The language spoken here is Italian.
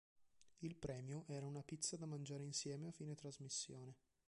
Il premio era una pizza da mangiare insieme a fine trasmissione.